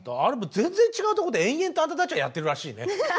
全然違うところで延々とあんたたちはやってるらしいね。